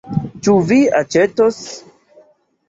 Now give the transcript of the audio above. Ĉu vi aĉetos?